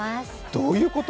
どういうこと？